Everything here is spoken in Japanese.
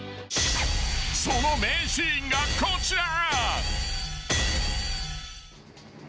［その名シーンがこちら］